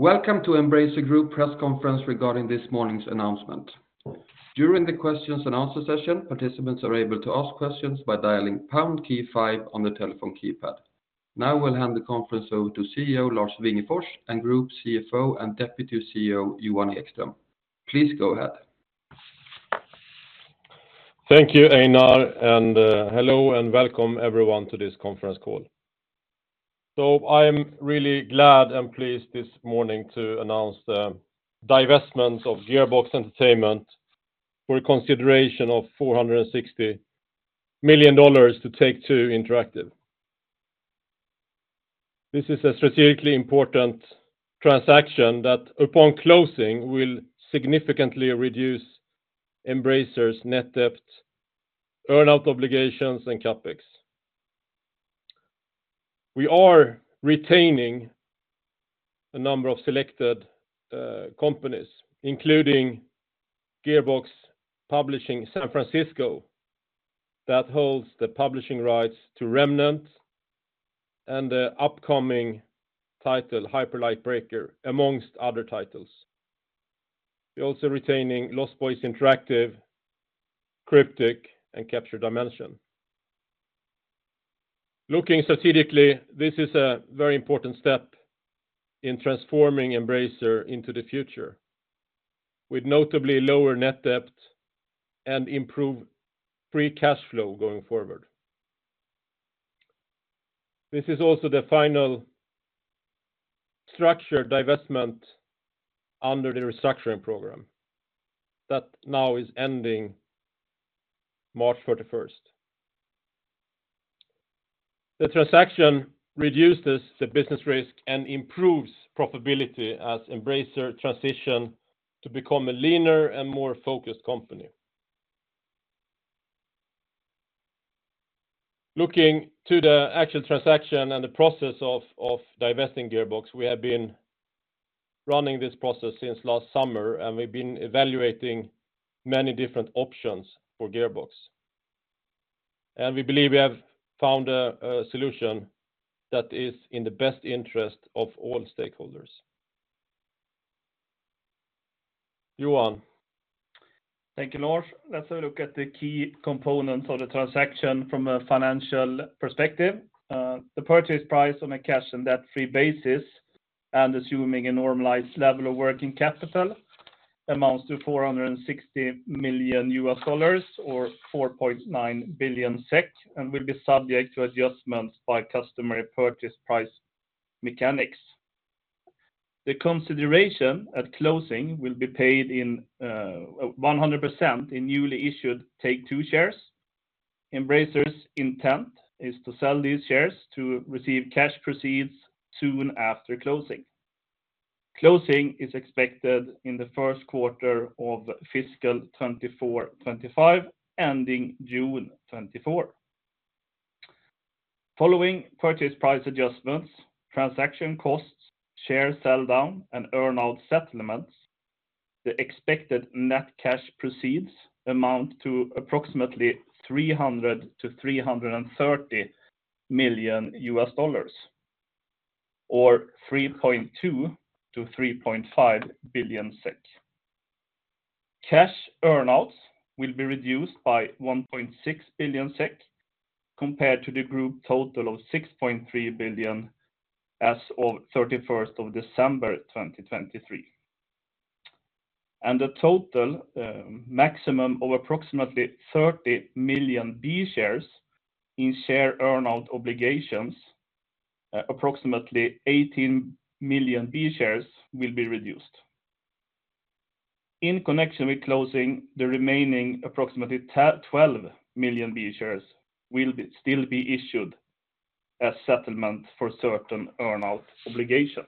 Welcome to Embracer Group Press Conference regarding this morning's announcement. During the questions and answer session, participants are able to ask questions by dialing pound key five on the telephone keypad. Now we'll hand the conference over to CEO Lars Wingefors and Group CFO and Deputy CEO Johan Ekström. Please go ahead. Thank you, Einar, and hello and welcome everyone to this conference call. So I'm really glad and pleased this morning to announce the divestments of Gearbox Entertainment for a consideration of $460 million to Take-Two Interactive. This is a strategically important transaction that, upon closing, will significantly reduce Embracer's net debt, earnout obligations, and CapEx. We are retaining a number of selected companies, including Gearbox Publishing San Francisco that holds the publishing rights to Remnant and the upcoming title Hyper Light Breaker, amongst other titles. We're also retaining Lost Boys Interactive, Cryptic, and Captured Dimensions. Looking strategically, this is a very important step in transforming Embracer into the future, with notably lower net debt and improved free cash flow going forward. This is also the final structured divestment under the restructuring program that now is ending March 31. The transaction reduces the business risk and improves profitability as Embracer transitions to become a leaner and more focused company. Looking to the actual transaction and the process of divesting Gearbox, we have been running this process since last summer, and we've been evaluating many different options for Gearbox. We believe we have found a solution that is in the best interest of all stakeholders. Johan. Thank you, Lars. Let's have a look at the key components of the transaction from a financial perspective. The purchase price on a cash and debt-free basis, and assuming a normalized level of working capital, amounts to $460 million or 4.9 billion SEK and will be subject to adjustments by customary purchase price mechanics. The consideration at closing will be paid 100% in newly issued Take-Two shares. Embracer's intent is to sell these shares to receive cash proceeds soon after closing. Closing is expected in the first quarter of fiscal 2024/25, ending June 2024. Following purchase price adjustments, transaction costs, share sell-down, and earnout settlements, the expected net cash proceeds amount to approximately $300 million-$330 million, or 3.2 billion-3.5 billion SEK. Cash earnouts will be reduced by 1.6 billion SEK compared to the group total of 6.3 billion as of 31 December 2023. The total maximum of approximately 30 million B-shares in share earnout obligations, approximately 18 million B-shares, will be reduced. In connection with closing, the remaining approximately 12 million B-shares will still be issued as settlement for certain earnout obligations.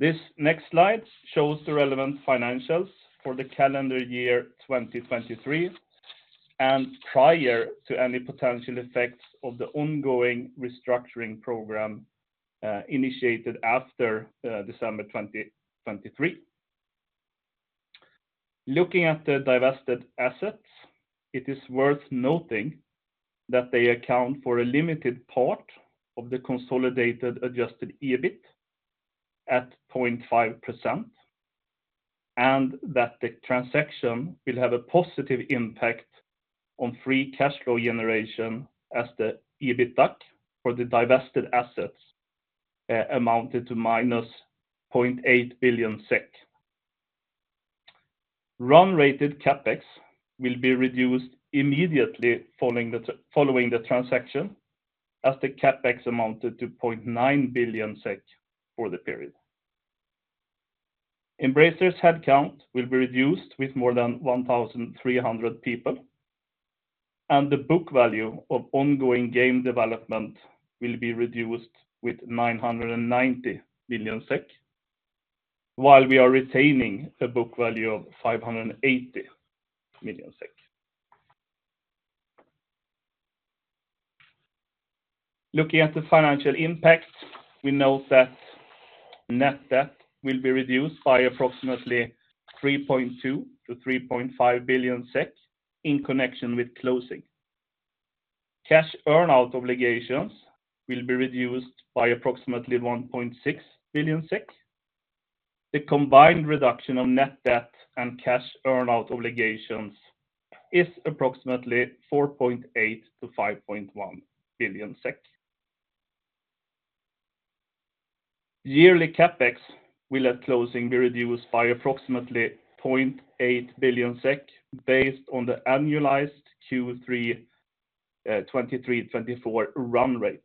This next slide shows the relevant financials for the calendar year 2023 and prior to any potential effects of the ongoing restructuring program initiated after December 2023. Looking at the divested assets, it is worth noting that they account for a limited part of the consolidated adjusted EBIT at 0.5%, and that the transaction will have a positive impact on free cash flow generation as the EBITDA for the divested assets amounted to SEK -0.8 billion. Run-rate CapEx will be reduced immediately following the transaction as the CapEx amounted to 0.9 billion SEK for the period. Embracer's headcount will be reduced with more than 1,300 people, and the book value of ongoing game development will be reduced with 990 million SEK, while we are retaining a book value of 580 million SEK. Looking at the financial impact, we note that net debt will be reduced by approximately 3.2-3.5 billion in connection with closing. Cash earnout obligations will be reduced by approximately 1.6 billion SEK. The combined reduction of net debt and cash earnout obligations is approximately SEK 4.8-5.1 billion. Yearly CapEx will at closing be reduced by approximately 0.8 billion SEK based on the annualized Q3/2023/2024 run rate.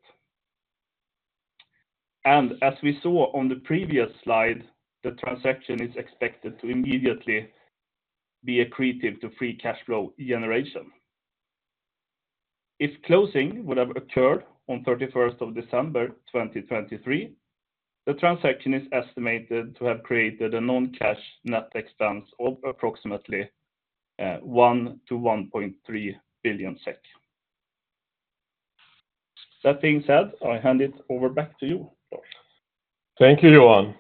As we saw on the previous slide, the transaction is expected to immediately be accretive to free cash flow generation. If closing would have occurred on 31 December 2023, the transaction is estimated to have created a non-cash net expense of approximately SEK 1 billion-SEK 1.3 billion. That being said, I hand it over back to you, Lars. Thank you, Johan.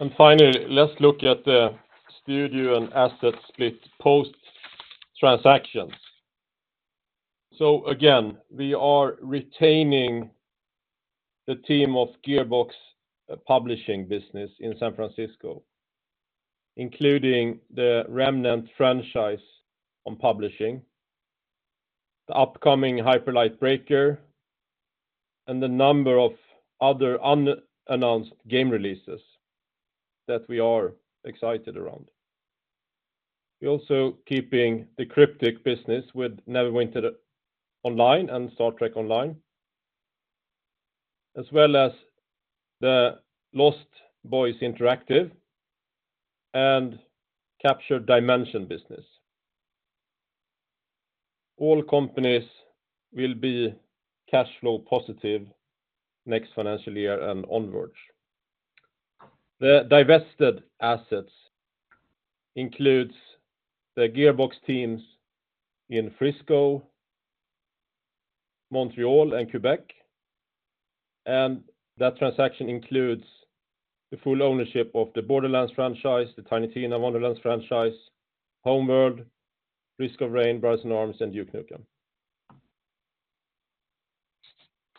And finally, let's look at the studio and asset split post-transactions. So again, we are retaining the team of Gearbox Publishing business in San Francisco, including the Remnant franchise on publishing, the upcoming Hyper Light Breaker, and the number of other unannounced game releases that we are excited around. We're also keeping the Cryptic business with Neverwinter Online and Star Trek Online, as well as the Lost Boys Interactive and Captured Dimensions business. All companies will be cash flow positive next financial year and onwards. The divested assets include the Gearbox teams in Frisco, Montreal, and Quebec. And that transaction includes the full ownership of the Borderlands franchise, the Tiny Tina's Wonderlands franchise, Homeworld, Risk of Rain, Brothers in Arms, and Duke Nukem.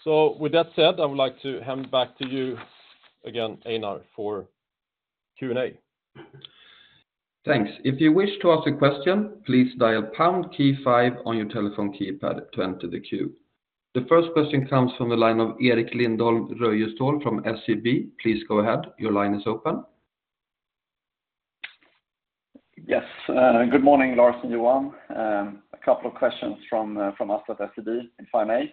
So with that said, I would like to hand back to you again, Einar, for Q&A. Thanks. If you wish to ask a question, please dial pound key 5 on your telephone keypad to enter the queue. The first question comes from the line of Erik Lindholm-Röjestål from SEB. Please go ahead. Your line is open. Yes. Good morning, Lars and Johan. A couple of questions from us at SEB in 5A.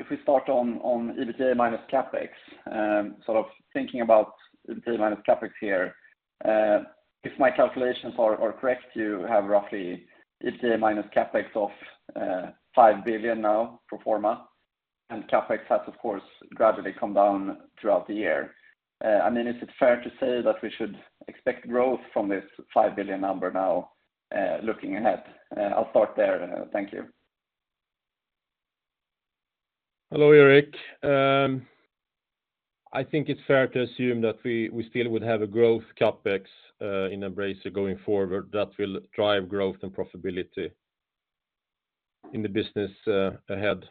If we start on EBITDA minus CapEx, sort of thinking about EBITDA minus CapEx here, if my calculations are correct, you have roughly EBITDA minus CapEx of 5 billion now pro forma, and CapEx has, of course, gradually come down throughout the year. I mean, is it fair to say that we should expect growth from this 5 billion number now looking ahead? I'll start there. Thank you. Hello, Erik. I think it's fair to assume that we still would have a growth CapEx in Embracer going forward that will drive growth and profitability in the business ahead.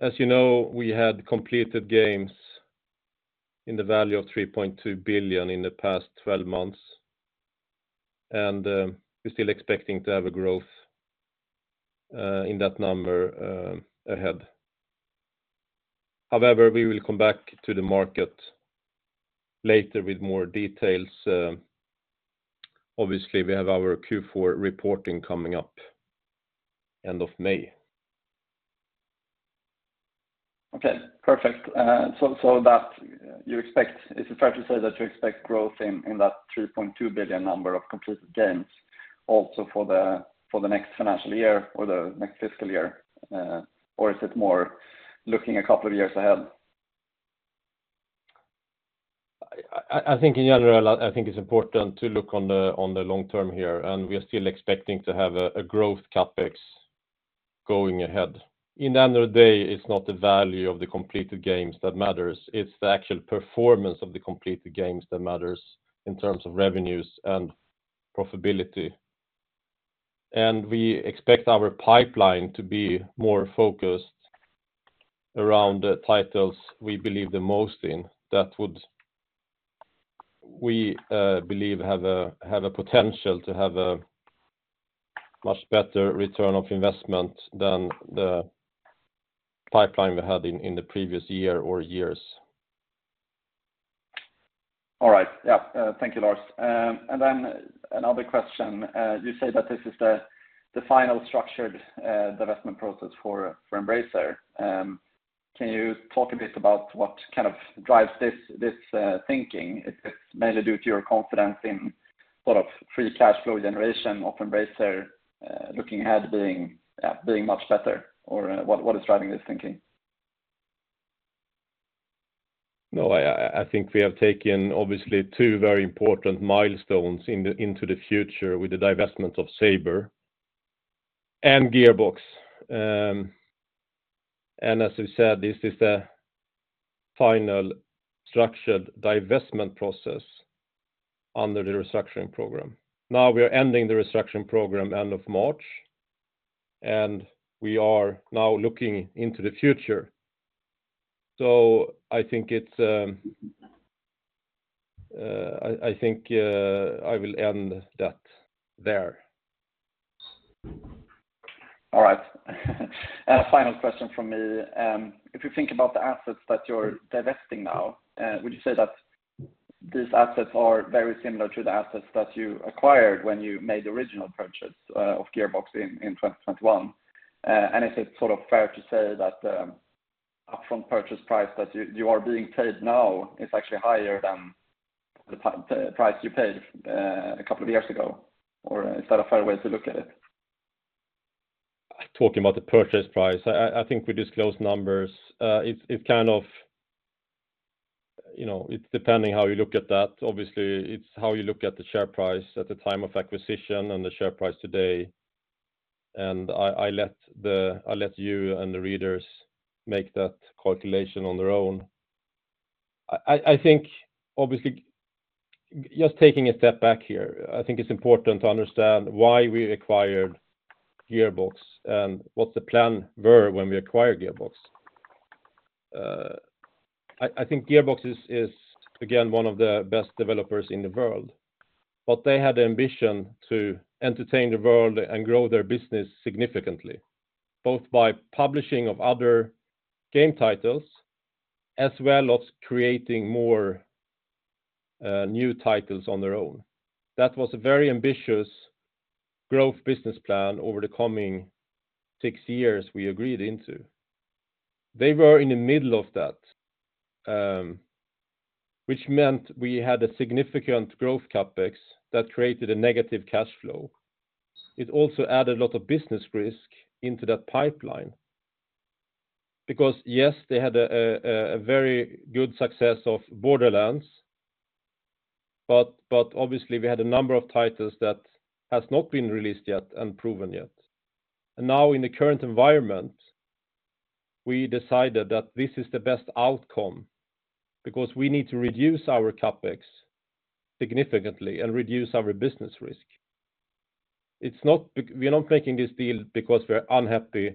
As you know, we had completed games in the value of 3.2 billion in the past 12 months, and we're still expecting to have a growth in that number ahead. However, we will come back to the market later with more details. Obviously, we have our Q4 reporting coming up end of May. Okay, perfect. So that you expect is it fair to say that you expect growth in that 3.2 billion number of completed games also for the next financial year or the next fiscal year, or is it more looking a couple of years ahead? I think in general, I think it's important to look on the long term here, and we are still expecting to have a growth CapEx going ahead. At the end of the day, it's not the value of the completed games that matters. It's the actual performance of the completed games that matters in terms of revenues and profitability. We expect our pipeline to be more focused around the titles we believe the most in that we believe have a potential to have a much better return on investment than the pipeline we had in the previous year or years. All right. Yeah, thank you, Lars. And then another question. You say that this is the final structured divestment process for Embracer. Can you talk a bit about what kind of drives this thinking? Is it mainly due to your confidence in sort of free cash flow generation of Embracer looking ahead being much better, or what is driving this thinking? No, I think we have taken, obviously, two very important milestones into the future with the divestment of Saber and Gearbox. As we said, this is the final structured divestment process under the restructuring program. Now we are ending the restructuring program end of March, and we are now looking into the future. So, I think I will end that there. All right. A final question from me. If you think about the assets that you're divesting now, would you say that these assets are very similar to the assets that you acquired when you made the original purchase of Gearbox in 2021? And is it sort of fair to say that the upfront purchase price that you are being paid now is actually higher than the price you paid a couple of years ago, or is that a fair way to look at it? Talking about the purchase price, I think we disclose numbers. It's kind of, it's depending how you look at that. Obviously, it's how you look at the share price at the time of acquisition and the share price today. I let you and the readers make that calculation on their own. I think, obviously, just taking a step back here, I think it's important to understand why we acquired Gearbox and what the plan were when we acquired Gearbox. I think Gearbox is, again, one of the best developers in the world. But they had the ambition to entertain the world and grow their business significantly, both by publishing other game titles as well as creating more new titles on their own. That was a very ambitious growth business plan over the coming six years we agreed into. They were in the middle of that, which meant we had a significant growth CapEx that created a negative cash flow. It also added a lot of business risk into that pipeline. Because yes, they had a very good success of Borderlands, but obviously, we had a number of titles that have not been released yet and proven yet. And now, in the current environment, we decided that this is the best outcome because we need to reduce our CapEx significantly and reduce our business risk. We're not making this deal because we are unhappy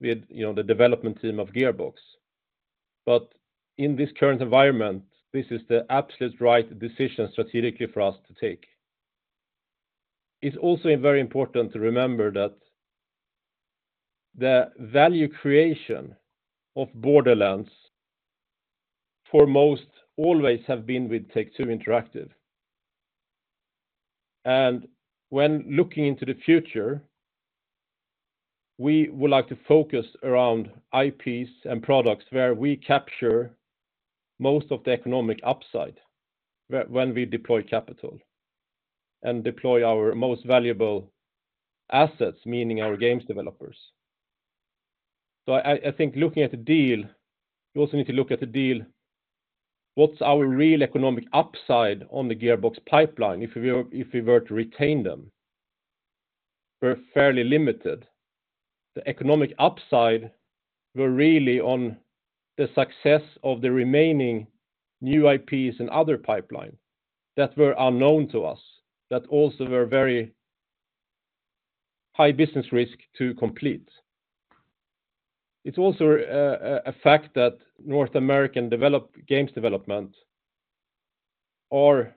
with the development team of Gearbox. But in this current environment, this is the absolute right decision strategically for us to take. It's also very important to remember that the value creation of Borderlands for most always has been with Take-Two Interactive. When looking into the future, we would like to focus around IPs and products where we capture most of the economic upside when we deploy capital and deploy our most valuable assets, meaning our games developers. I think looking at a deal, you also need to look at the deal. What's our real economic upside on the Gearbox pipeline if we were to retain them? We're fairly limited. The economic upside were really on the success of the remaining new IPs and other pipeline that were unknown to us, that also were very high business risk to complete. It's also a fact that North American games development are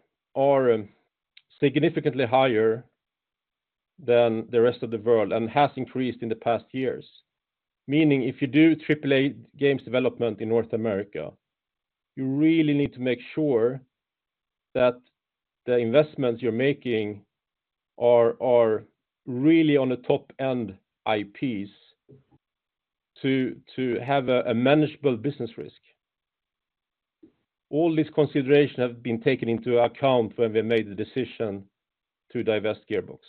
significantly higher than the rest of the world and has increased in the past years. Meaning, if you do AAA games development in North America, you really need to make sure that the investments you're making are really on the top-end IPs to have a manageable business risk. All these considerations have been taken into account when we made the decision to divest Gearbox.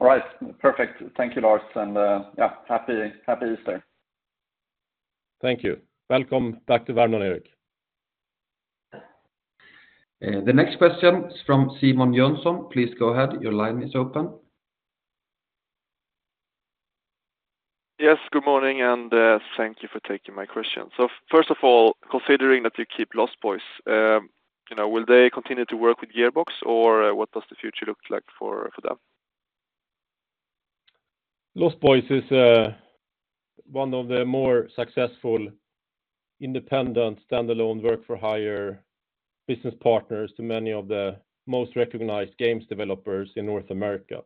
All right. Perfect. Thank you, Lars. And yeah, happy Easter. Thank you. Welcome back to Värmland, Erik. The next question is from Simon Jönsson. Please go ahead. Your line is open. Yes, good morning. Thank you for taking my question. First of all, considering that you keep Lost Boys, will they continue to work with Gearbox, or what does the future look like for them? Lost Boys is one of the more successful independent standalone work-for-hire business partners to many of the most recognized games developers in North America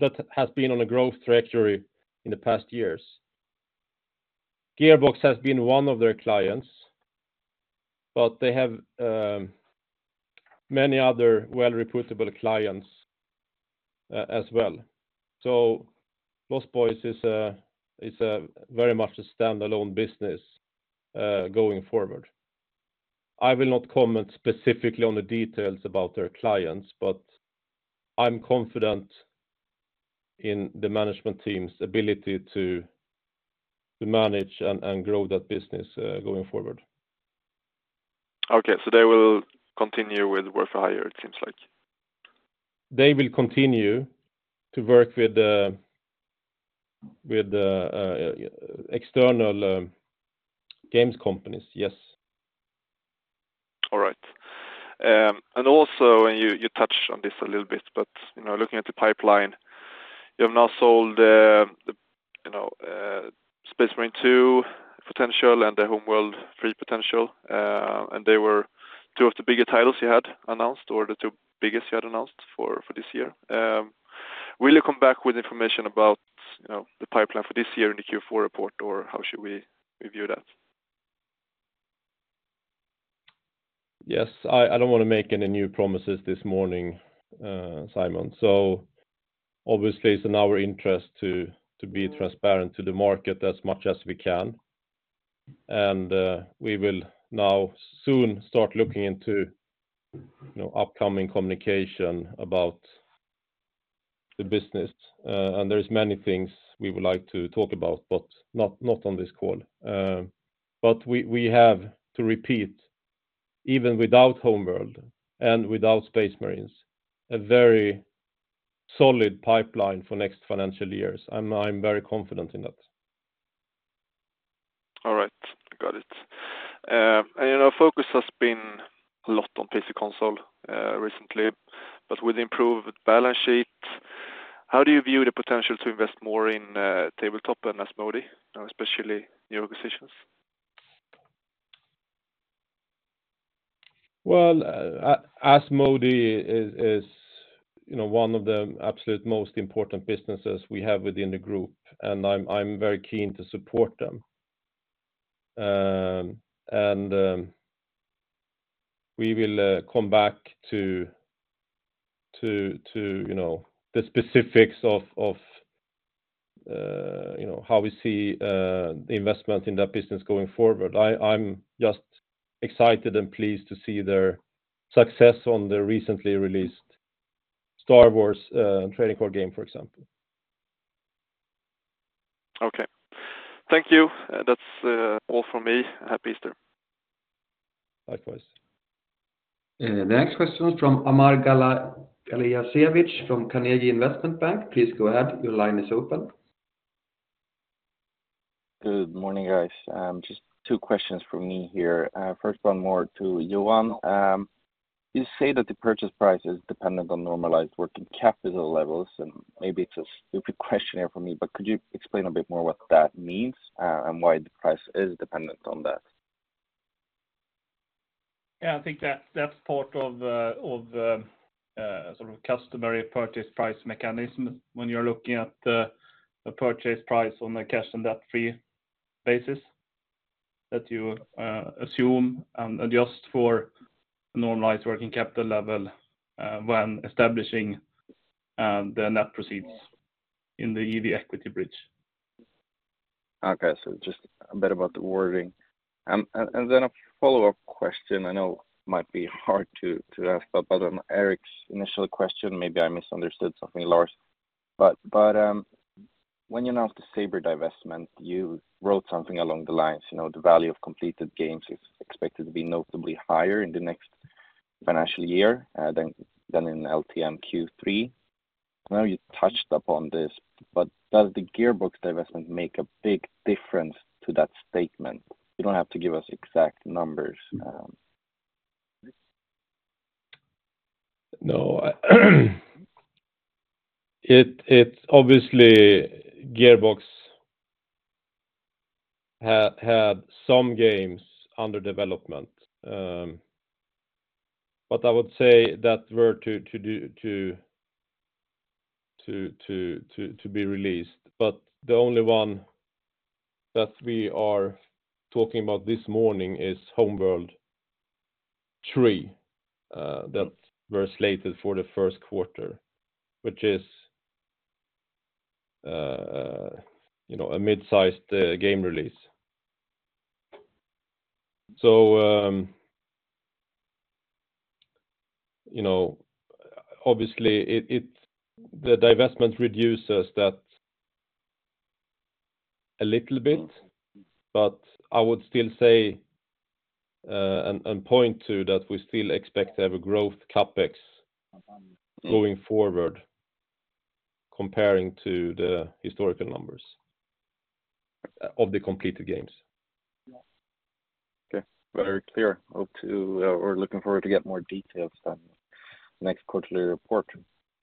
that has been on a growth trajectory in the past years. Gearbox has been one of their clients, but they have many other well-reputed clients as well. Lost Boys is very much a standalone business going forward. I will not comment specifically on the details about their clients, but I'm confident in the management team's ability to manage and grow that business going forward. Okay. So they will continue with work-for-hire, it seems like. They will continue to work with external games companies, yes. All right. And also, and you touched on this a little bit, but looking at the pipeline, you have now sold the Space Marine 2 potential and the Homeworld 3 potential. And they were two of the bigger titles you had announced or the two biggest you had announced for this year. Will you come back with information about the pipeline for this year in the Q4 report, or how should we view that? Yes. I don't want to make any new promises this morning, Simon. So obviously, it's in our interest to be transparent to the market as much as we can. We will now soon start looking into upcoming communication about the business. There are many things we would like to talk about, but not on this call. We have, to repeat, even without Homeworld and without Space Marines, a very solid pipeline for next financial years. I'm very confident in that. All right. Got it. Focus has been a lot on PC console recently, but with the improved balance sheet, how do you view the potential to invest more in tabletop and Asmodee, especially new acquisitions? Well, Asmodee is one of the absolute most important businesses we have within the group, and I'm very keen to support them. We will come back to the specifics of how we see the investment in that business going forward. I'm just excited and pleased to see their success on the recently released Star Wars trading card game, for example. Okay. Thank you. That's all from me. Happy Easter. Likewise. The next question is from Amar Galijasevic from Carnegie Investment Bank. Please go ahead. Your line is open. Good morning, guys. Just two questions from me here. First one more to Johan. You say that the purchase price is dependent on normalized working capital levels, and maybe it's a stupid question for me, but could you explain a bit more what that means and why the price is dependent on that? Yeah, I think that's part of sort of customer purchase price mechanism when you're looking at the purchase price on a cash and debt-free basis that you assume and adjust for a normalized working capital level when establishing the net proceeds in the EV equity bridge. Okay. So just a bit about the wording. And then a follow-up question I know might be hard to ask, but on Erik's initial question, maybe I misunderstood something, Lars. But when you announced the Saber divestment, you wrote something along the lines. The value of completed games is expected to be notably higher in the next financial year than in LTM Q3. I know you touched upon this, but does the Gearbox divestment make a big difference to that statement? You don't have to give us exact numbers. No. It's obviously Gearbox had some games under development, but I would say that were to be released. But the only one that we are talking about this morning is Homeworld 3 that were slated for the first quarter, which is a midsized game release. So obviously, the divestment reduces that a little bit, but I would still say and point to that we still expect to have a growth CapEx going forward comparing to the historical numbers of the completed games. Okay. Very clear. We're looking forward to getting more details on the next quarterly report.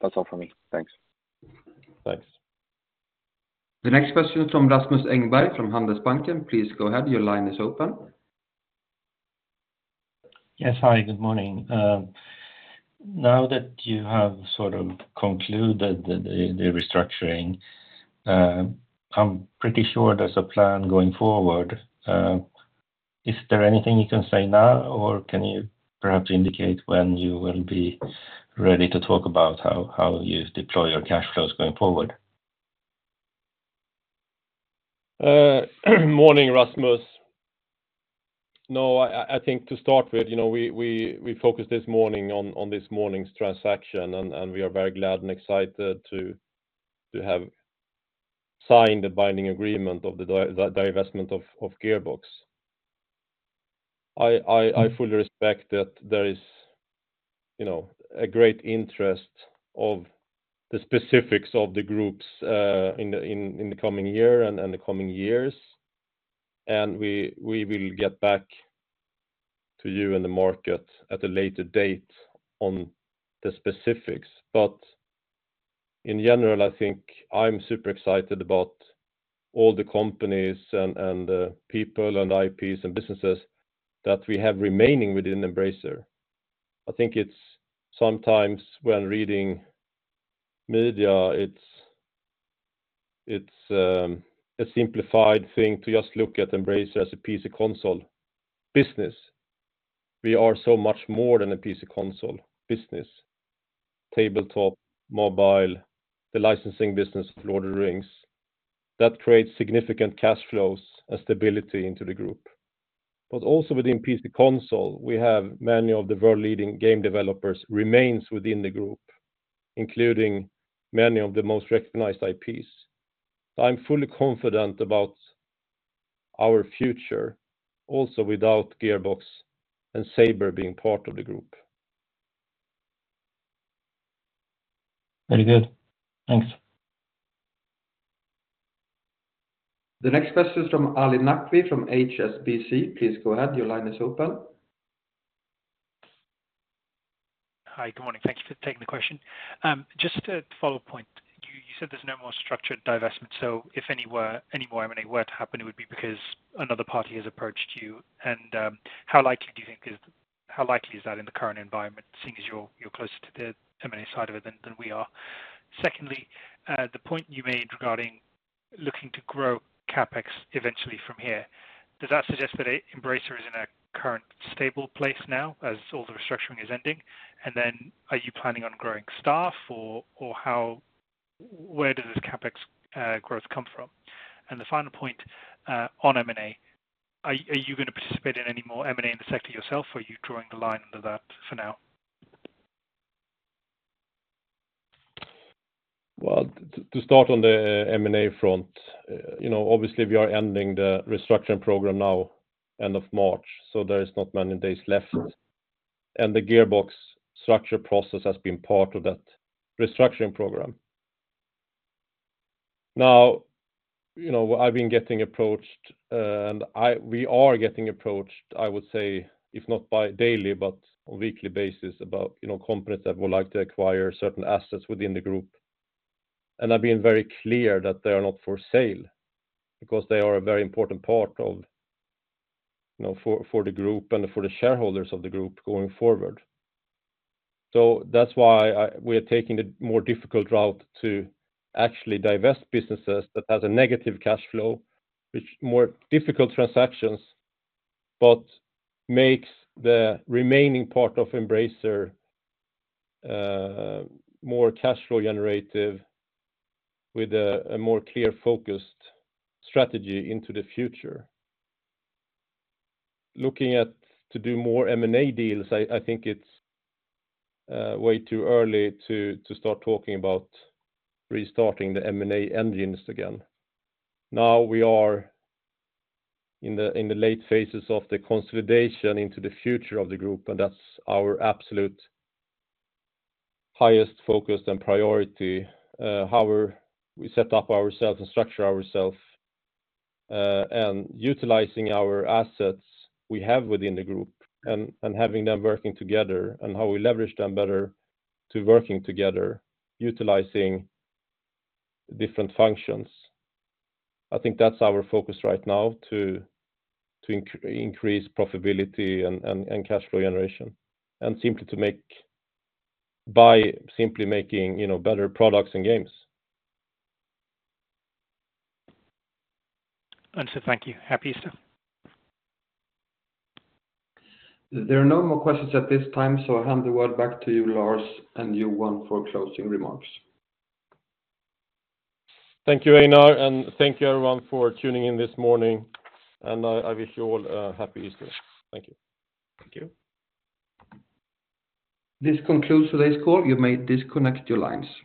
That's all from me. Thanks. Thanks. The next question is from Rasmus Engberg from Handelsbanken. Please go ahead. Your line is open. Yes. Hi. Good morning. Now that you have sort of concluded the restructuring, I'm pretty sure there's a plan going forward. Is there anything you can say now, or can you perhaps indicate when you will be ready to talk about how you deploy your cash flows going forward? Morning, Rasmus. No, I think to start with, we focused this morning on this morning's transaction, and we are very glad and excited to have signed the binding agreement of the divestment of Gearbox. I fully respect that there is a great interest in the specifics of the groups in the coming year and the coming years. We will get back to you and the market at a later date on the specifics. In general, I think I'm super excited about all the companies and the people and IPs and businesses that we have remaining within Embracer. I think sometimes when reading media, it's a simplified thing to just look at Embracer as a PC console business. We are so much more than a PC console business: tabletop, mobile, the licensing business of Lord of the Rings. That creates significant cash flows and stability into the group. Also within PC console, we have many of the world-leading game developers remaining within the group, including many of the most recognized IPs. I'm fully confident about our future also without Gearbox and Saber being part of the group. Very good. Thanks. The next question is from Ali Naqvi from HSBC. Please go ahead. Your line is open. Hi. Good morning. Thank you for taking the question. Just a follow-up point. You said there's no more structured divestment. So if any more M&A were to happen, it would be because another party has approached you. And how likely do you think that is in the current environment, seeing as you're closer to the M&A side of it than we are? Secondly, the point you made regarding looking to grow CapEx eventually from here, does that suggest that Embracer is in a current stable place now as all the restructuring is ending? And then are you planning on growing staff, or where does this CapEx growth come from? And the final point on M&A, are you going to participate in any more M&A in the sector yourself, or are you drawing the line under that for now? Well, to start on the M&A front, obviously, we are ending the restructuring program now, end of March. So there are not many days left. And the Gearbox structure process has been part of that restructuring program. Now, I've been getting approached, and we are getting approached, I would say, if not daily, but on a weekly basis, about companies that would like to acquire certain assets within the group. And I've been very clear that they are not for sale because they are a very important part for the group and for the shareholders of the group going forward. So that's why we are taking the more difficult route to actually divest businesses that have a negative cash flow, which are more difficult transactions, but makes the remaining part of Embracer more cash flow-generative with a more clear-focused strategy into the future. Looking to do more M&A deals, I think it's way too early to start talking about restarting the M&A engines again. Now, we are in the late phases of the consolidation into the future of the group, and that's our absolute highest focus and priority: how we set up ourselves and structure ourselves and utilizing our assets we have within the group and having them working together and how we leverage them better to working together, utilizing different functions. I think that's our focus right now: to increase profitability and cash flow generation and simply to make by simply making better products and games. Understood. Thank you. Happy Easter. There are no more questions at this time, so I hand the word back to you, Lars, and you, Johan, for closing remarks. Thank you, Einar. Thank you, everyone, for tuning in this morning. I wish you all a happy Easter. Thank you. Thank you. This concludes today's call. You may disconnect your lines.